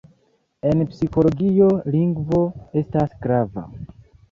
En psikologio lingvo estas grava.